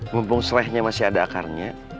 mumpung selehnya masih ada akarnya